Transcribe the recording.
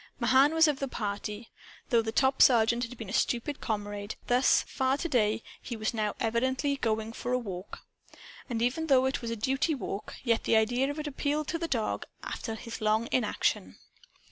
Mahan was of the party. Though the top sergeant had been a stupid comrade, thus far to day, he was now evidently going for a walk. And even though it was a duty walk, yet the idea of it appealed to the dog after his long inaction.